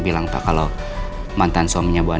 kesannya jangan sampe pagi lah mas